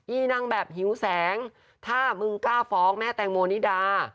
อีนางแบบหิวแสงถ้ามึงกล้าฟ้องแม่แตงโมนิดา